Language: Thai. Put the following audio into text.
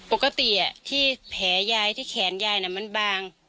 ปกติที่แผลยายที่แขนยายมันบาง